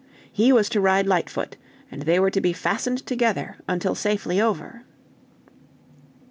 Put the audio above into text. He was to ride Lightfoot, and they were to be fastened together until safely over.